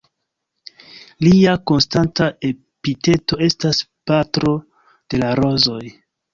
Lia konstanta epiteto estas "patro de la rozoj".